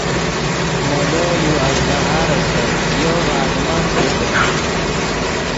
مولو یو اژدھار استت یو ڤے آدمف خوتے